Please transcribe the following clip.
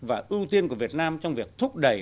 và ưu tiên của việt nam trong việc thúc đẩy